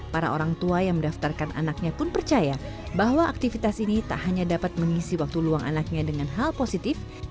para orang tua yang mendaftarkan anaknya pun percaya bahwa aktivitas ini tak hanya dapat mengisi waktu luang anaknya dengan hal positif